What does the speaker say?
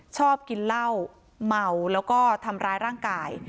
ชอบกินเหล้าเมาแล้วก็ทำร้ายร่างกาย